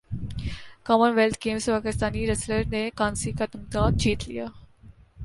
common wealth Games Pakistani wrestler نے کانسی کا تمغہ جیت لیا